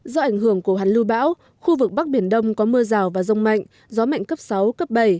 do ảnh hưởng của hoàn lưu bão khu vực bắc biển đông có mưa rào và rông mạnh gió mạnh cấp sáu cấp bảy